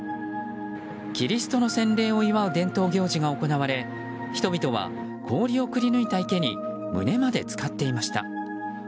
キリストの洗礼を祝う伝統行事が行われ人々は氷をくりぬいた池に胸までつかっていました。